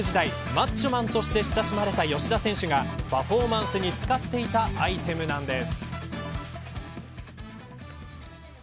マッチョマンとして親しまれた吉田選手がパフォーマンスに使っていたアイテムなんです。